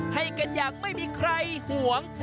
ให้กันอย่างไม่มีใครห่วง